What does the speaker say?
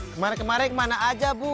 kemarin kemarin kemana aja bu